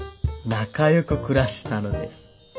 仲よく暮らしてたのです。